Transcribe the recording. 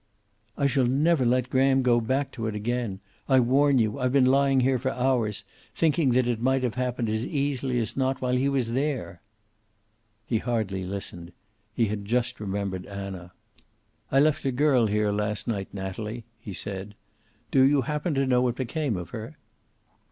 "I shall never let Graham go back to it again. I warn you. I've been lying here for hours, thinking that it might have happened as easily as not while he was there." He hardly listened. He had just remembered Anna. "I left a girl here last night, Natalie," he said. "Do you happen to know what became of her?"